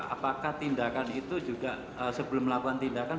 apakah tindakan itu juga sebelum melakukan tindakan